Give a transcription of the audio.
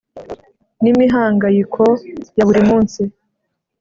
N imihangayiko ya buri munsi